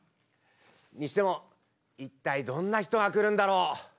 にしても一体どんな人が来るんだろう？